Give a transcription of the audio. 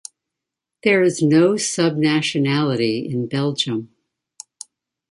There is no subnationality in Belgium.